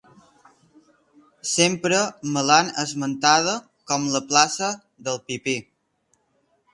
Sempre me l'han esmentada com la plaça del Pipí.